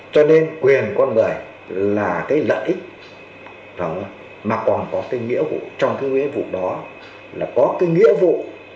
cho nên quyền con người là cái lợi ích mà còn có cái nghĩa vụ trong cái nghĩa vụ đó là có cái nghĩa vụ